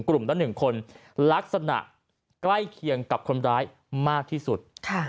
ละ๑คนลักษณะใกล้เคียงกับคนร้ายมากที่สุด